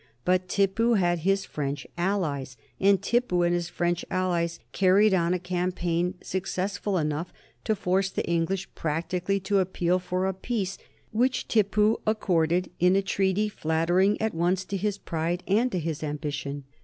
But Tippu had his French allies, and Tippu and his French allies carried on a campaign successful enough to force the English practically to appeal for a peace, which Tippu accorded in a treaty flattering at once to his pride and to his ambition.